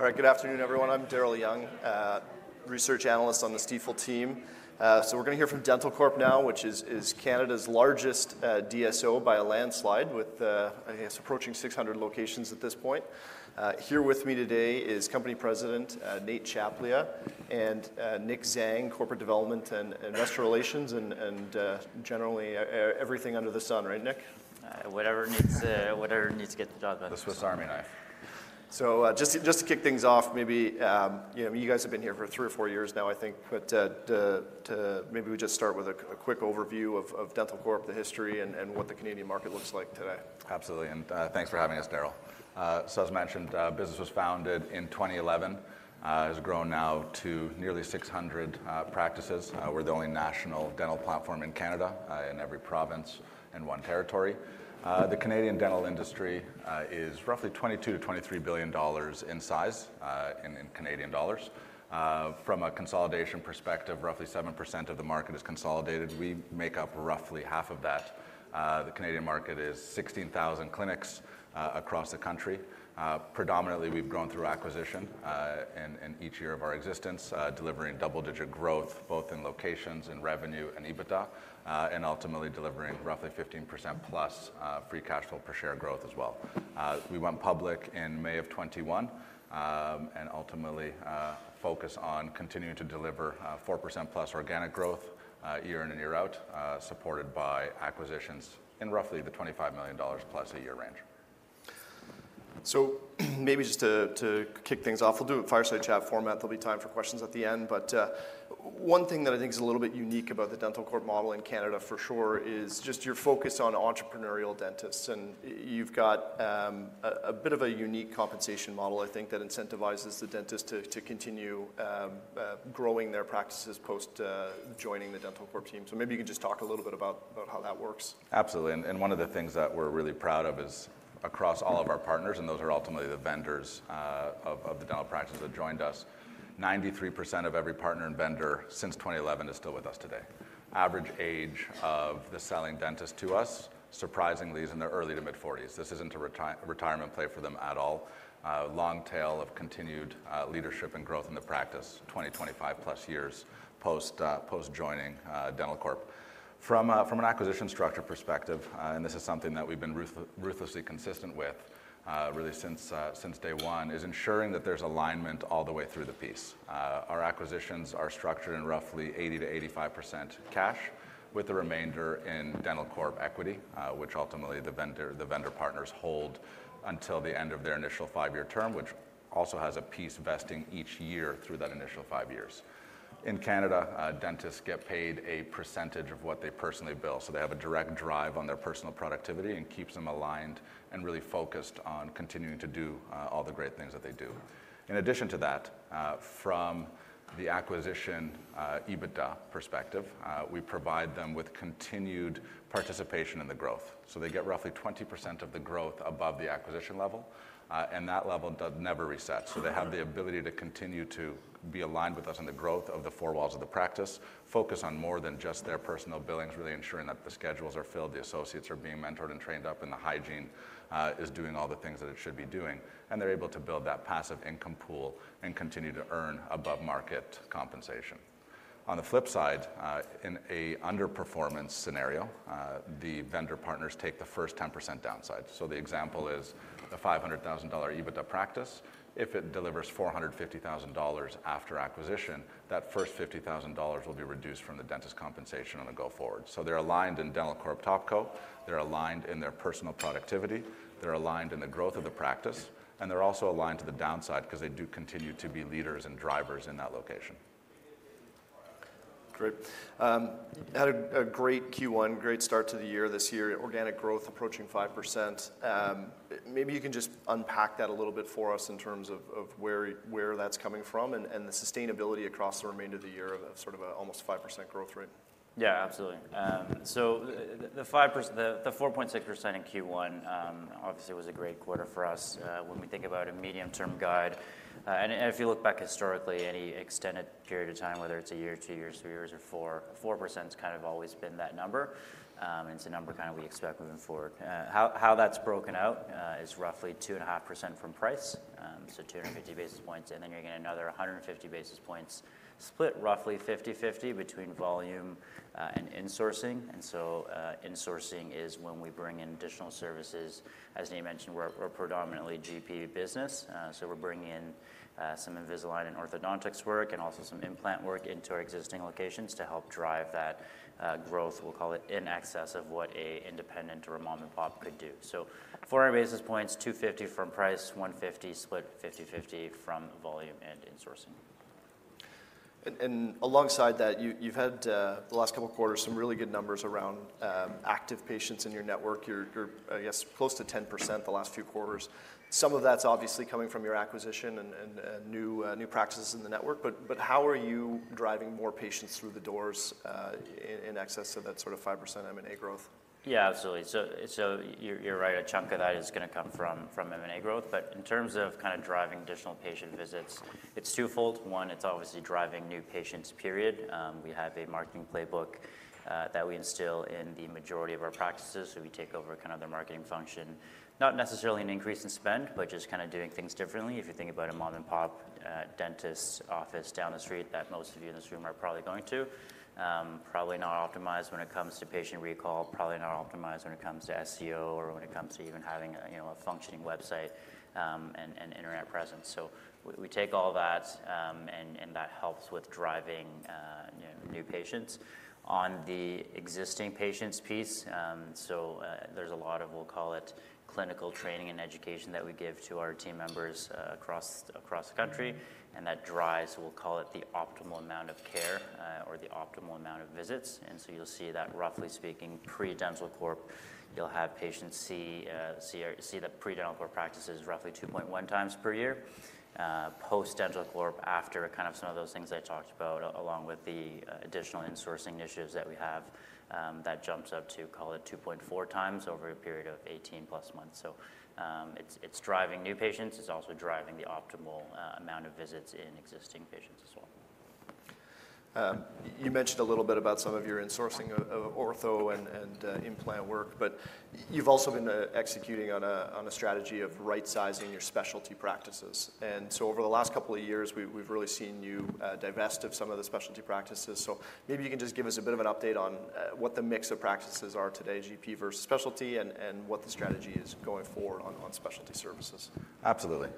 All right, good afternoon, everyone. I'm Daryl Young, research analyst on the Stifel team. We're going to hear from Dentalcorp now, which is Canada's largest DSO by a landslide, with, I guess, approaching 600 locations at this point. Here with me today is Company President Nate Tchaplia and Nick Xiang, Corporate Development and Investor Relations, and generally everything under the sun, right, Nick? Whatever needs to get the job done. The Swiss Army knife. Just to kick things off, maybe you guys have been here for three or four years now, I think, but maybe we just start with a quick overview of Dentalcorp, the history, and what the Canadian market looks like today. Absolutely, and thanks for having us, Daryl. As mentioned, the business was founded in 2011. It has grown now to nearly 600 practices. We're the only national dental platform in Canada, in every province and one territory. The Canadian dental industry is roughly 22 billion-23 billion dollars in size in Canadian dollars. From a consolidation perspective, roughly 7% of the market is consolidated. We make up roughly half of that. The Canadian market is 16,000 clinics across the country. Predominantly, we've grown through acquisition in each year of our existence, delivering double-digit growth, both in locations, in revenue, and EBITDA, and ultimately delivering roughly 15%+ free cash flow per share growth as well. We went public in May of 2021 and ultimately focus on continuing to deliver 4%+ organic growth year in and year out, supported by acquisitions in roughly the 25 million dollars+ a year range. Maybe just to kick things off, we'll do a fireside chat format. There'll be time for questions at the end. One thing that I think is a little bit unique about the Dentalcorp model in Canada, for sure, is just your focus on entrepreneurial dentists. You've got a bit of a unique compensation model, I think, that incentivizes the dentist to continue growing their practices post-joining the Dentalcorp team. Maybe you can just talk a little bit about how that works. Absolutely. One of the things that we're really proud of is across all of our partners, and those are ultimately the vendors of the dental practices that joined us, 93% of every partner and vendor since 2011 is still with us today. Average age of the selling dentist to us, surprisingly, is in their early to mid-40s. This isn't a retirement play for them at all. Long tail of continued leadership and growth in the practice, 20-25+ years post-joining Dentalcorp. From an acquisition structure perspective, and this is something that we've been ruthlessly consistent with really since day one, is ensuring that there's alignment all the way through the piece. Our acquisitions are structured in roughly 80%-85% cash, with the remainder in Dentalcorp equity, which ultimately the vendor partners hold until the end of their initial five-year term, which also has a piece vesting each year through that initial five years. In Canada, dentists get paid a percentage of what they personally bill, so they have a direct drive on their personal productivity and keeps them aligned and really focused on continuing to do all the great things that they do. In addition to that, from the acquisition EBITDA perspective, we provide them with continued participation in the growth. So they get roughly 20% of the growth above the acquisition level, and that level does never reset. They have the ability to continue to be aligned with us in the growth of the four walls of the practice, focus on more than just their personal billings, really ensuring that the schedules are filled, the associates are being mentored and trained up, and the hygiene is doing all the things that it should be doing. They are able to build that passive income pool and continue to earn above-market compensation. On the flip side, in an underperformance scenario, the vendor partners take the first 10% downside. The example is a $500,000 EBITDA practice. If it delivers $450,000 after acquisition, that first $50,000 will be reduced from the dentist compensation on the go forward. They are aligned in Dentalcorp top co. They are aligned in their personal productivity. They are aligned in the growth of the practice. They are also aligned to the downside because they do continue to be leaders and drivers in that location. Great. Had a great Q1, great start to the year this year. Organic growth approaching 5%. Maybe you can just unpack that a little bit for us in terms of where that's coming from and the sustainability across the remainder of the year of sort of almost 5% growth rate. Yeah, absolutely. The 4.6% in Q1 obviously was a great quarter for us. When we think about a medium-term guide, and if you look back historically, any extended period of time, whether it's a year, two years, three years, or four, 4% has kind of always been that number. It's a number kind of we expect moving forward. How that's broken out is roughly 2.5% from price, so 250 basis points, and then you're getting another 150 basis points split roughly 50/50 between volume and insourcing. Insourcing is when we bring in additional services. As Nate mentioned, we're a predominantly GP business, so we're bringing in some Invisalign and orthodontics work and also some implant work into our existing locations to help drive that growth, we'll call it, in excess of what an independent or a mom-and-pop could do. 400 basis points, 250 from price, 150 split 50/50 from volume and insourcing. Alongside that, you've had the last couple of quarters some really good numbers around active patients in your network. You're, I guess, close to 10% the last few quarters. Some of that's obviously coming from your acquisition and new practices in the network. How are you driving more patients through the doors in excess of that sort of 5% M&A growth? Yeah, absolutely. You're right, a chunk of that is going to come from M&A growth. In terms of kind of driving additional patient visits, it's two-fold. One, it's obviously driving new patients, period. We have a marketing playbook that we instill in the majority of our practices, so we take over kind of the marketing function, not necessarily an increase in spend, but just kind of doing things differently. If you think about a mom-and-pop dentist's office down the street that most of you in this room are probably going to, probably not optimized when it comes to patient recall, probably not optimized when it comes to SEO or when it comes to even having a functioning website and internet presence. We take all that, and that helps with driving new patients. On the existing patients piece, so there's a lot of, we'll call it, clinical training and education that we give to our team members across the country, and that drives, we'll call it, the optimal amount of care or the optimal amount of visits. You'll see that, roughly speaking, pre-Dentalcorp, you'll have patients see the pre-Dentalcorp practices roughly 2.1x per year. Post-Dentalcorp, after kind of some of those things I talked about, along with the additional insourcing initiatives that we have, that jumps up to, call it, 2.4x over a period of 18+ months. It's driving new patients. It's also driving the optimal amount of visits in existing patients as well. You mentioned a little bit about some of your insourcing of ortho and implant work, but you've also been executing on a strategy of right-sizing your specialty practices. Over the last couple of years, we've really seen you divest of some of the specialty practices. Maybe you can just give us a bit of an update on what the mix of practices are today, GP versus Specialty, and what the strategy is going forward on specialty services. Absolutely.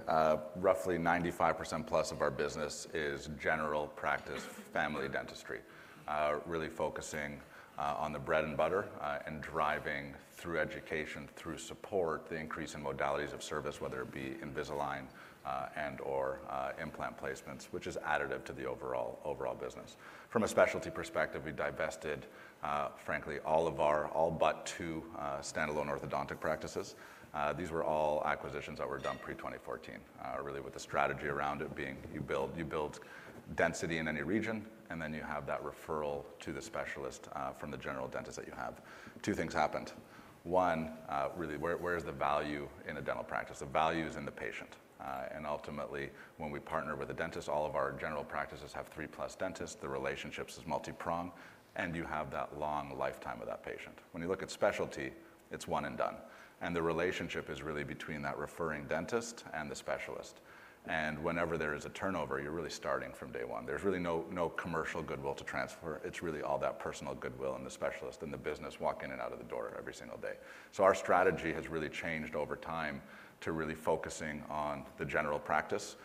Roughly 95%+ of our business is General Practice Family Dentistry, really focusing on the bread and butter and driving through education, through support, the increase in modalities of service, whether it be Invisalign and/or implant placements, which is additive to the overall business. From a specialty perspective, we divested, frankly, all of our all but two standalone orthodontic practices. These were all acquisitions that were done pre-2014, really with the strategy around it being you build density in any region, and then you have that referral to the specialist from the general dentist that you have. Two things happened. One, really, where is the value in a dental practice? The value is in the patient. And ultimately, when we partner with a dentist, all of our general practices have 3+ dentists. The relationship is multi-prong, and you have that long lifetime with that patient. When you look at specialty, it's one and done. The relationship is really between that referring dentist and the specialist. Whenever there is a turnover, you're really starting from day one. There's really no commercial goodwill to transfer. It's really all that personal goodwill and the specialist and the business walking in and out of the door every single day. Our strategy has really changed over time to really focusing on the general practice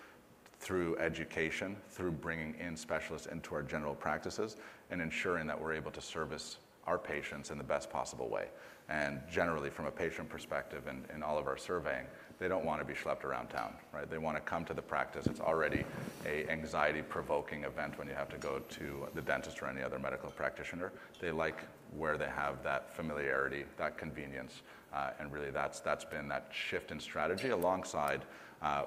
through education, through bringing in specialists into our general practices, and ensuring that we're able to service our patients in the best possible way. Generally, from a patient perspective in all of our surveying, they don't want to be schlepped around town, right? They want to come to the practice. It's already an anxiety-provoking event when you have to go to the dentist or any other medical practitioner. They like where they have that familiarity, that convenience. Really, that's been that shift in strategy alongside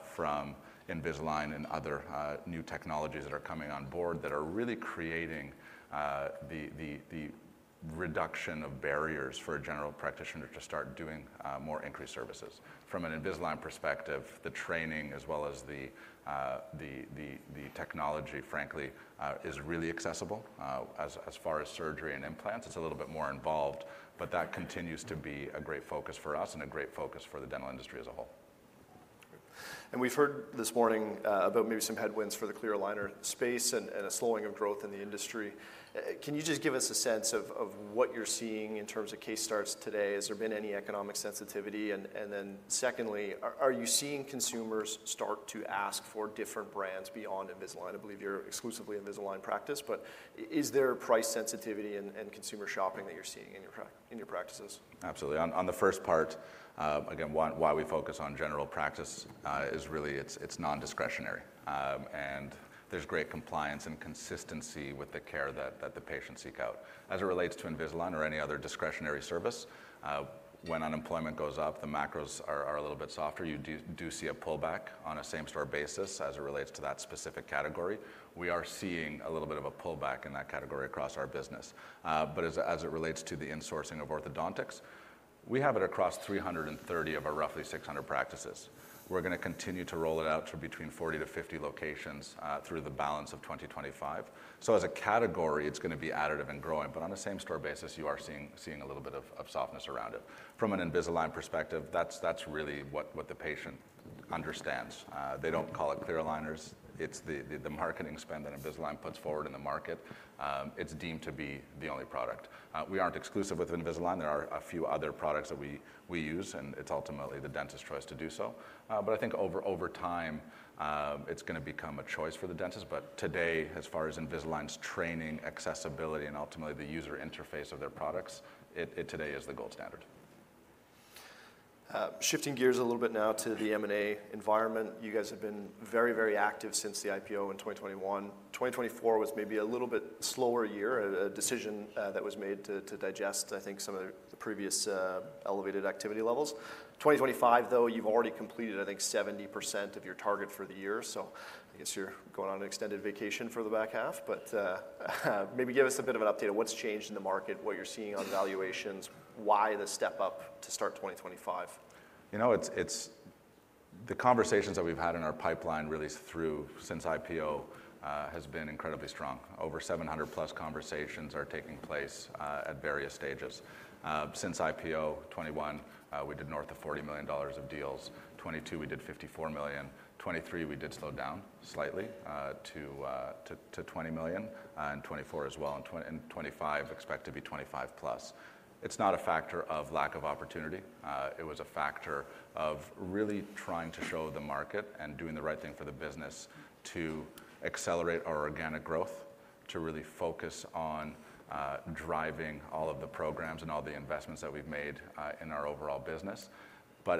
from Invisalign and other new technologies that are coming on board that are really creating the reduction of barriers for a general practitioner to start doing more increased services. From an Invisalign perspective, the training, as well as the technology, frankly, is really accessible. As far as surgery and implants, it's a little bit more involved, but that continues to be a great focus for us and a great focus for the dental industry as a whole. We've heard this morning about maybe some headwinds for the clear aligner space and a slowing of growth in the industry. Can you just give us a sense of what you're seeing in terms of case starts today? Has there been any economic sensitivity? Secondly, are you seeing consumers start to ask for different brands beyond Invisalign? I believe you're exclusively Invisalign practice, but is there price sensitivity and consumer shopping that you're seeing in your practices? Absolutely. On the first part, again, why we focus on general practice is really it's non-discretionary. And there's great compliance and consistency with the care that the patients seek out. As it relates to Invisalign or any other discretionary service, when unemployment goes up, the macros are a little bit softer. You do see a pullback on a same-store basis as it relates to that specific category. We are seeing a little bit of a pullback in that category across our business. As it relates to the insourcing of orthodontics, we have it across 330 of our roughly 600 practices. We're going to continue to roll it out to between 40-50 locations through the balance of 2025. As a category, it's going to be additive and growing. On a same-store basis, you are seeing a little bit of softness around it. From an Invisalign perspective, that's really what the patient understands. They don't call it clear aligners. It's the marketing spend that Invisalign puts forward in the market. It's deemed to be the only product. We aren't exclusive with Invisalign. There are a few other products that we use, and it's ultimately the dentist's choice to do so. I think over time, it's going to become a choice for the dentist. Today, as far as Invisalign's training, accessibility, and ultimately the user interface of their products, it today is the gold standard. Shifting gears a little bit now to the M&A environment. You guys have been very, very active since the IPO in 2021. 2024 was maybe a little bit slower year, a decision that was made to digest, I think, some of the previous elevated activity levels. 2025, though, you've already completed, I think, 70% of your target for the year. I guess you're going on an extended vacation for the back half. Maybe give us a bit of an update on what's changed in the market, what you're seeing on valuations, why the step up to start 2025? You know, the conversations that we've had in our pipeline really through since IPO have been incredibly strong. Over 700+ conversations are taking place at various stages. Since IPO 2021, we did north of 40 million dollars of deals. 2022, we did 54 million. 2023, we did slow down slightly to 20 million. 2024 as well. 2025, expect to be 25 million+. It's not a factor of lack of opportunity. It was a factor of really trying to show the market and doing the right thing for the business to accelerate our organic growth, to really focus on driving all of the programs and all the investments that we've made in our overall business.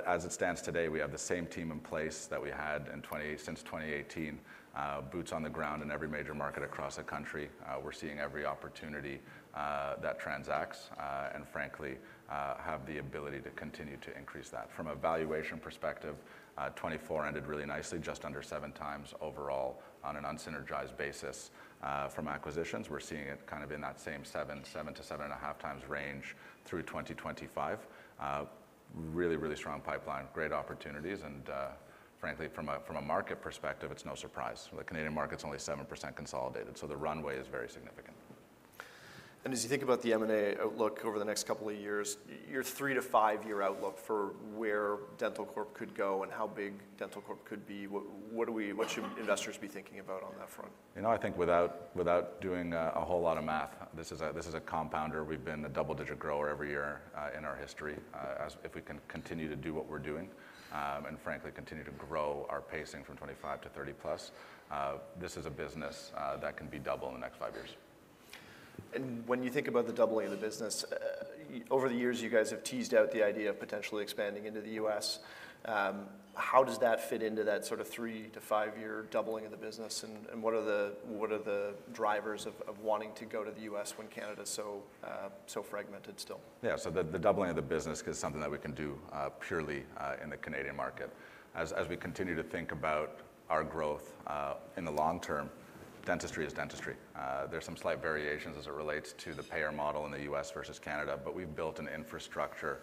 As it stands today, we have the same team in place that we had since 2018, boots on the ground in every major market across the country. We're seeing every opportunity that transacts and, frankly, have the ability to continue to increase that. From a valuation perspective, 2024 ended really nicely, just under 7x overall on an unsynergized basis. From acquisitions, we're seeing it kind of in that same 7x-7.5x range through 2025. Really, really strong pipeline, great opportunities. Frankly, from a market perspective, it's no surprise. The Canadian market's only 7% consolidated, so the runway is very significant. As you think about the M&A outlook over the next couple of years, your three to five-year outlook for where Dentalcorp could go and how big Dentalcorp could be, what should investors be thinking about on that front? You know, I think without doing a whole lot of math, this is a compounder. We've been a double-digit grower every year in our history if we can continue to do what we're doing and, frankly, continue to grow our pacing from 25-30+. This is a business that can be double in the next five years. When you think about the doubling of the business, over the years, you guys have teased out the idea of potentially expanding into the U.S. How does that fit into that sort of three to five-year doubling of the business? What are the drivers of wanting to go to the U.S. when Canada is so fragmented still? Yeah, so the doubling of the business is something that we can do purely in the Canadian market. As we continue to think about our growth in the long term, dentistry is dentistry. There's some slight variations as it relates to the payer model in the U.S. versus Canada, but we've built an infrastructure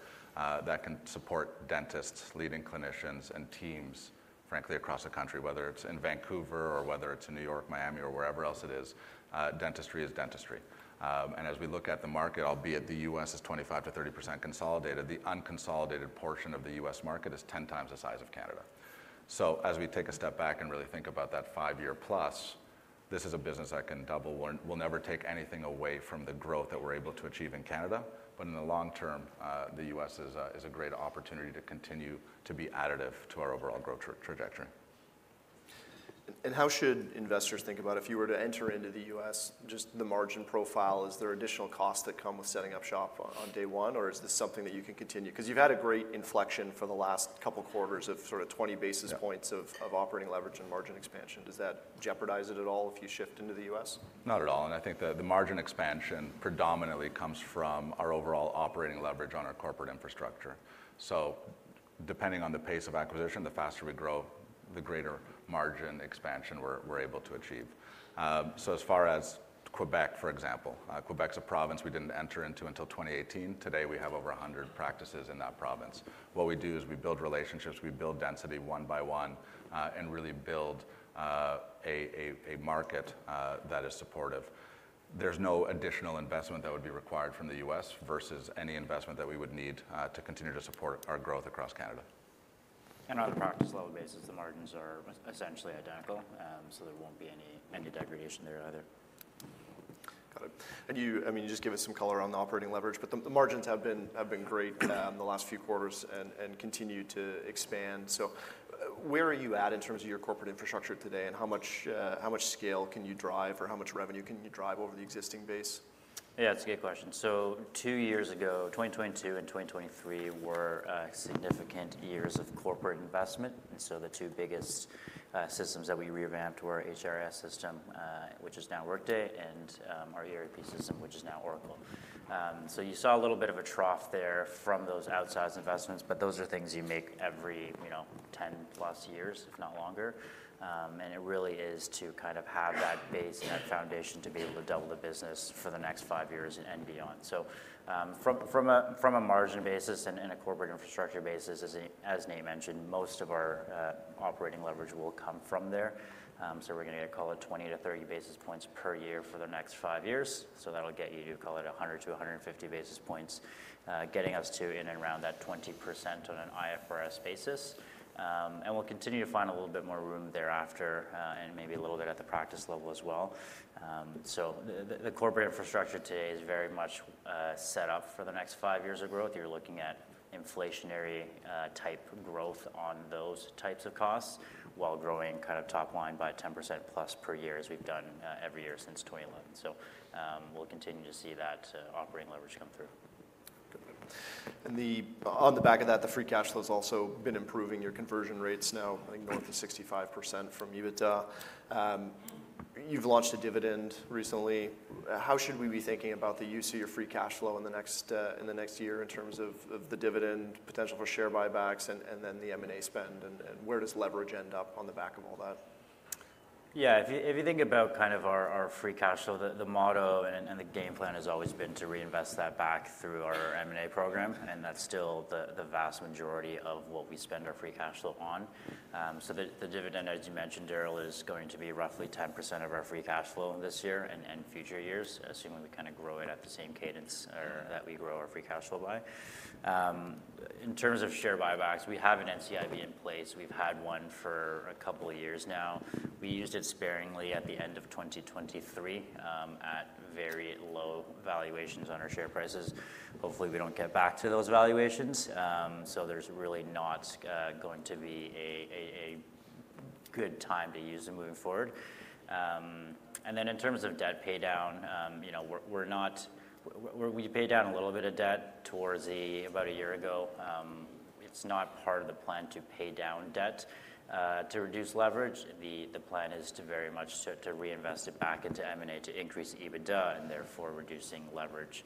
that can support dentists, leading clinicians, and teams, frankly, across the country, whether it's in Vancouver or whether it's in New York, Miami, or wherever else it is. Dentistry is dentistry. As we look at the market, albeit the U.S. is 25%-30% consolidated, the unconsolidated portion of the U.S. market is 10x the size of Canada. As we take a step back and really think about that five-year plus, this is a business that can double. We'll never take anything away from the growth that we're able to achieve in Canada, but in the long term, the U.S. is a great opportunity to continue to be additive to our overall growth trajectory. How should investors think about if you were to enter into the U.S.? Just the margin profile, is there additional costs that come with setting up shop on day one, or is this something that you can continue? Because you've had a great inflection for the last couple of quarters of sort of 20 basis points of operating leverage and margin expansion. Does that jeopardize it at all if you shift into the U.S.? Not at all. I think the margin expansion predominantly comes from our overall operating leverage on our corporate infrastructure. Depending on the pace of acquisition, the faster we grow, the greater margin expansion we are able to achieve. As far as Québec, for example, Québec is a province we did not enter into until 2018. Today, we have over 100 practices in that province. What we do is we build relationships, we build density one by one, and really build a market that is supportive. There is no additional investment that would be required from the U.S. versus any investment that we would need to continue to support our growth across Canada. On a practice level basis, the margins are essentially identical, so there won't be any degradation there either. Got it. You just gave us some color on the operating leverage, but the margins have been great in the last few quarters and continue to expand. Where are you at in terms of your corporate infrastructure today, and how much scale can you drive or how much revenue can you drive over the existing base? Yeah, that's a good question. Two years ago, 2022 and 2023 were significant years of corporate investment. The two biggest systems that we revamped were our HRIS system, which is now Workday, and our ERP system, which is now Oracle. You saw a little bit of a trough there from those outsized investments, but those are things you make every 10+ years, if not longer. It really is to kind of have that base and that foundation to be able to double the business for the next five years and beyond. From a margin basis and a corporate infrastructure basis, as Nate mentioned, most of our operating leverage will come from there. We're going to call it 20-30 basis points per year for the next five years. That'll get you to call it 100-150 basis points, getting us to in and around that 20% on an IFRS basis. We'll continue to find a little bit more room thereafter and maybe a little bit at the practice level as well. The corporate infrastructure today is very much set up for the next five years of growth. You're looking at inflationary type growth on those types of costs while growing kind of top line by 10%+ per year as we've done every year since 2011. We'll continue to see that operating leverage come through. On the back of that, the free cash flow has also been improving your conversion rates now, I think north of 65% from EBITDA. You have launched a dividend recently. How should we be thinking about the use of your free cash flow in the next year in terms of the dividend potential for share buybacks and then the M&A spend? Where does leverage end up on the back of all that? Yeah, if you think about kind of our free cash flow, the motto and the game plan has always been to reinvest that back through our M&A program. That is still the vast majority of what we spend our free cash flow on. The dividend, as you mentioned, Daryl, is going to be roughly 10% of our free cash flow this year and future years, assuming we kind of grow it at the same cadence that we grow our free cash flow by. In terms of share buybacks, we have an NCIB in place. We have had one for a couple of years now. We used it sparingly at the end of 2023 at very low valuations on our share prices. Hopefully, we do not get back to those valuations. There is really not going to be a good time to use them moving forward. In terms of debt paydown, we pay down a little bit of debt towards about a year ago. It is not part of the plan to pay down debt to reduce leverage. The plan is very much to reinvest it back into M&A to increase EBITDA and therefore reducing leverage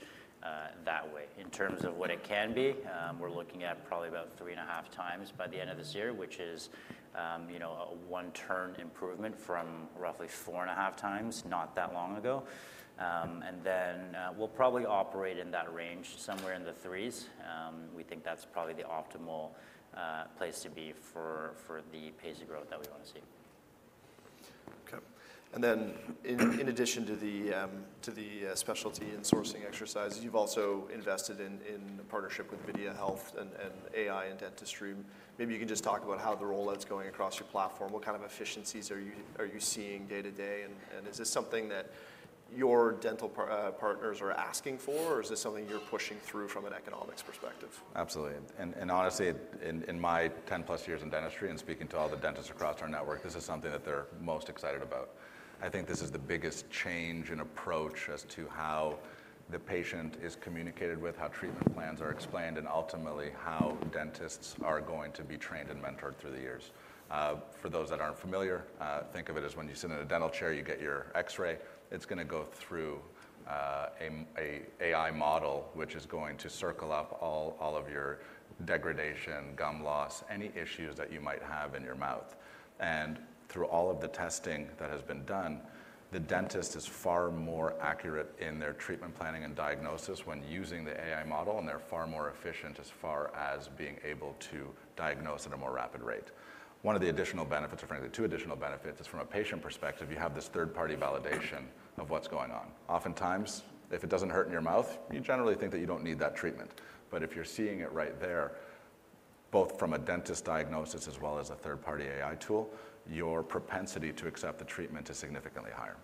that way. In terms of what it can be, we are looking at probably about 3.5x by the end of this year, which is a one-turn improvement from roughly 4.5x not that long ago. We will probably operate in that range, somewhere in the threes. We think that is probably the optimal place to be for the pace of growth that we want to see. Okay. In addition to the specialty and sourcing exercise, you've also invested in a partnership with VideaHealth and AI in dentistry. Maybe you can just talk about how the rollout's going across your platform. What kind of efficiencies are you seeing day to day? Is this something that your dental partners are asking for, or is this something you're pushing through from an economics perspective? Absolutely. Honestly, in my 10+ years in dentistry and speaking to all the dentists across our network, this is something that they're most excited about. I think this is the biggest change in approach as to how the patient is communicated with, how treatment plans are explained, and ultimately how dentists are going to be trained and mentored through the years. For those that aren't familiar, think of it as when you sit in a dental chair, you get your X-ray. It's going to go through an AI model, which is going to circle up all of your degradation, gum loss, any issues that you might have in your mouth. Through all of the testing that has been done, the dentist is far more accurate in their treatment planning and diagnosis when using the AI model, and they're far more efficient as far as being able to diagnose at a more rapid rate. One of the additional benefits, or frankly, two additional benefits, is from a patient perspective, you have this third-party validation of what's going on. Oftentimes, if it doesn't hurt in your mouth, you generally think that you don't need that treatment. If you're seeing it right there, both from a dentist diagnosis as well as a third-party AI tool, your propensity to accept the treatment is significantly higher.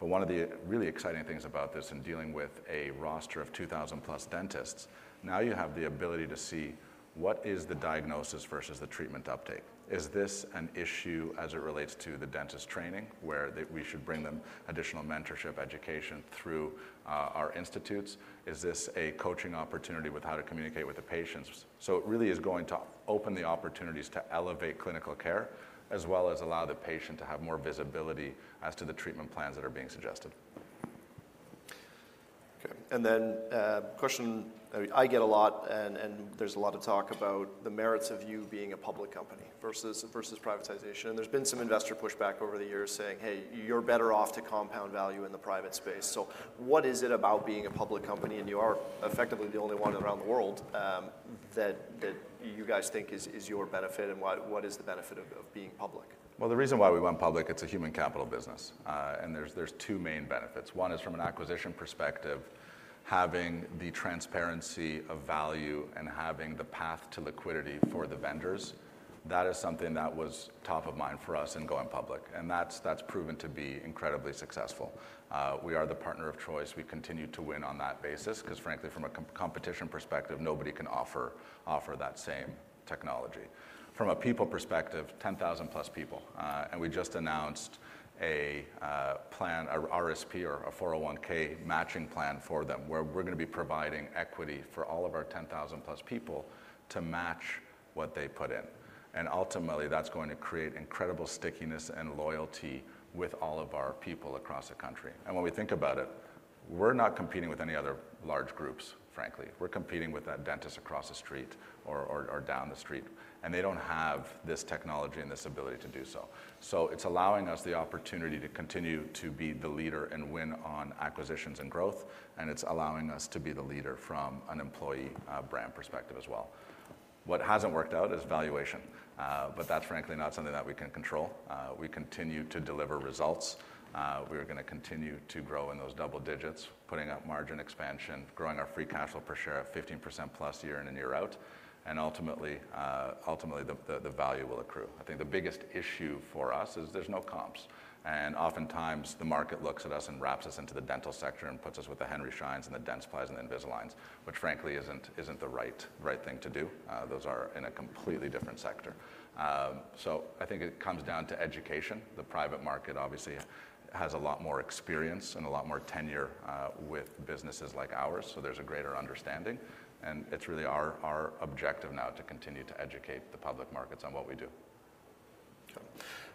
One of the really exciting things about this in dealing with a roster of 2,000+ dentists, now you have the ability to see what is the diagnosis versus the treatment uptake. Is this an issue as it relates to the dentist training, where we should bring them additional mentorship education through our institutes? Is this a coaching opportunity with how to communicate with the patients? It really is going to open the opportunities to elevate clinical care as well as allow the patient to have more visibility as to the treatment plans that are being suggested. Okay. Question I get a lot, and there's a lot of talk about the merits of you being a public company versus privatization. There's been some investor pushback over the years saying, "Hey, you're better off to compound value in the private space." What is it about being a public company? You are effectively the only one around the world that you guys think is your benefit. What is the benefit of being public? The reason why we went public, it's a human capital business. There are two main benefits. One is from an acquisition perspective, having the transparency of value and having the path to liquidity for the vendors. That is something that was top of mind for us in going public. That has proven to be incredibly successful. We are the partner of choice. We continue to win on that basis because, frankly, from a competition perspective, nobody can offer that same technology. From a people perspective, 10,000+ people. We just announced a plan, an RRSP or a 401(k) matching plan for them where we are going to be providing equity for all of our 10,000+ people to match what they put in. Ultimately, that is going to create incredible stickiness and loyalty with all of our people across the country. When we think about it, we're not competing with any other large groups, frankly. We're competing with that dentist across the street or down the street. They don't have this technology and this ability to do so. It is allowing us the opportunity to continue to be the leader and win on acquisitions and growth. It is allowing us to be the leader from an employee brand perspective as well. What hasn't worked out is valuation. That's frankly not something that we can control. We continue to deliver results. We are going to continue to grow in those double digits, putting up margin expansion, growing our free cash flow per share at 15%+ year in and year out. Ultimately, the value will accrue. I think the biggest issue for us is there's no comps. Oftentimes, the market looks at us and wraps us into the dental sector and puts us with the Henry Schein and the Dentsply and the Invisalign, which frankly isn't the right thing to do. Those are in a completely different sector. I think it comes down to education. The private market obviously has a lot more experience and a lot more tenure with businesses like ours. There is a greater understanding. It is really our objective now to continue to educate the public markets on what we do.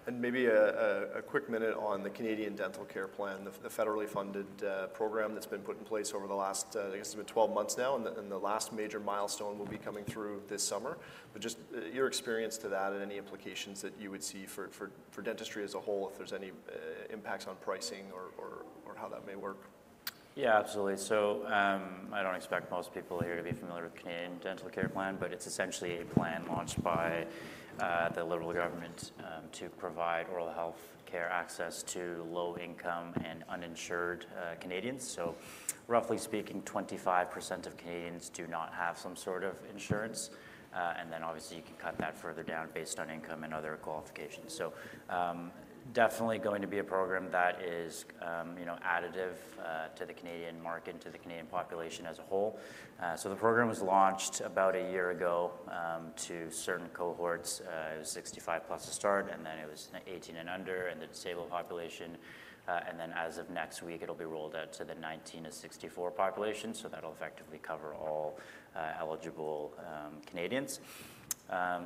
Okay. Maybe a quick minute on the Canadian Dental Care Plan, the federally funded program that's been put in place over the last, I guess, it's been 12 months now. The last major milestone will be coming through this summer. Just your experience to that and any implications that you would see for dentistry as a whole, if there's any impacts on pricing or how that may work. Yeah, absolutely. I do not expect most people here to be familiar with the Canadian Dental Care Plan, but it is essentially a plan launched by the Liberal government to provide oral health care access to low-income and uninsured Canadians. Roughly speaking, 25% of Canadians do not have some sort of insurance. Obviously, you can cut that further down based on income and other qualifications. It is definitely going to be a program that is additive to the Canadian market, to the Canadian population as a whole. The program was launched about a year ago to certain cohorts. It was 65+ to start, and then it was 18 and under and the disabled population. As of next week, it will be rolled out to the 19-64 population. That will effectively cover all eligible Canadians.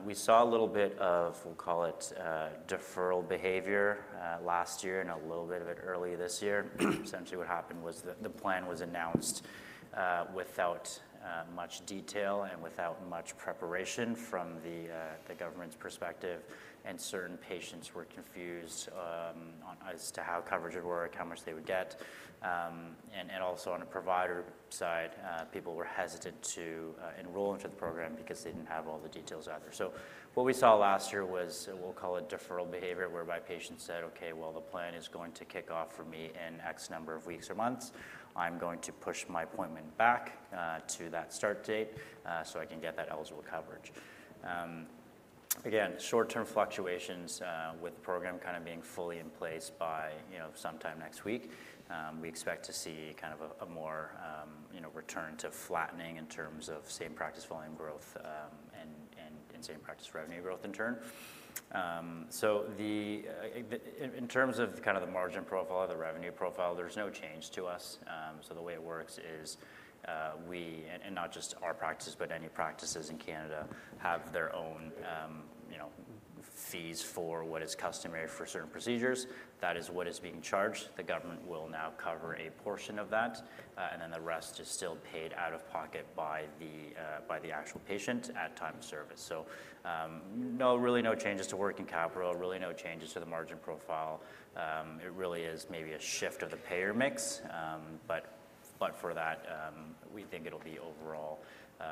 We saw a little bit of, we'll call it deferral behavior last year and a little bit of it early this year. Essentially, what happened was the plan was announced without much detail and without much preparation from the government's perspective. Certain patients were confused as to how coverage would work, how much they would get. Also, on a provider side, people were hesitant to enroll into the program because they did not have all the details either. What we saw last year was, we'll call it deferral behavior, whereby patients said, "Okay, the plan is going to kick off for me in X number of weeks or months. I'm going to push my appointment back to that start date so I can get that eligible coverage." Again, short-term fluctuations with the program kind of being fully in place by sometime next week. We expect to see kind of a more return to flattening in terms of same practice volume growth and same practice revenue growth in turn. In terms of kind of the margin profile, the revenue profile, there's no change to us. The way it works is we, and not just our practices, but any practices in Canada have their own fees for what is customary for certain procedures. That is what is being charged. The government will now cover a portion of that. The rest is still paid out of pocket by the actual patient at time of service. Really no changes to working capital, really no changes to the margin profile. It really is maybe a shift of the payer mix. For that, we think it'll be overall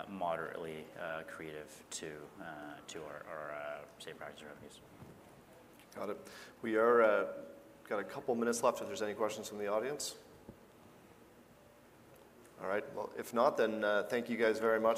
moderately accretive to our same practice revenues. Got it. We got a couple of minutes left if there's any questions from the audience. All right. If not, then thank you guys very much.